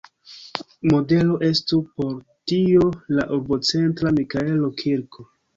Modelo estu por tio la urbocentra Mikaelo-kirko.